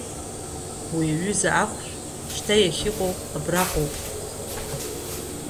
Уи аҩыза ахәшә шьҭа иахьыҟоу абраҟоуп!